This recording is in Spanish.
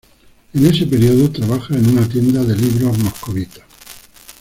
En ese periodo trabajó en una tienda de libros moscovita.